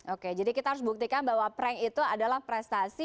oke jadi kita harus buktikan bahwa prank itu adalah prestasi